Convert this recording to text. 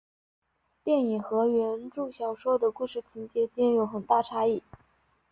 电影和原着小说的故事情节间有很大差异。